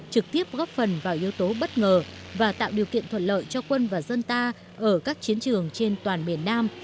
trực tiếp góp phần vào yếu tố bất ngờ và tạo điều kiện thuận lợi cho quân và dân ta ở các chiến trường trên toàn miền nam